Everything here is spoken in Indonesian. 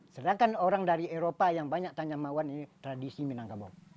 sedangkan orang dari eropa yang banyak tanya mawan ini tradisi minangkabau